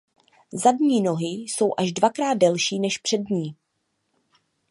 Zadní nohy jsou až dvakrát delší než přední.